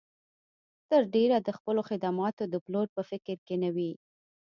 تر ډېره د خپلو خدماتو د پلور په فکر کې نه وي.